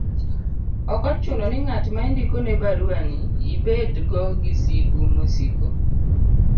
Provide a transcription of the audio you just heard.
ok ochuno ni ng'at ma indiko ne baruani ibed go gi sigu mosiko